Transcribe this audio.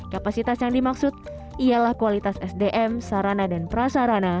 kapasitas yang dimaksud ialah kualitas sdm sarana dan prasarana